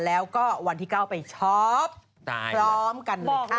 แล้วก็วันที่๙ไปช้อปพร้อมกันเลยค่ะ